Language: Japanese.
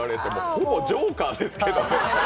ほぼジョーカーですけどね